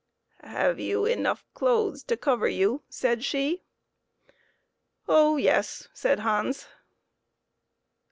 " Have you enough clothes to cover you ?" said she. " Oh yes !" said Hans.